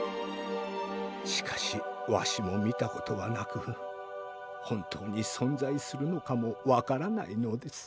しかしわしもみたことはなくほんとうにそんざいするのかもわからないのです。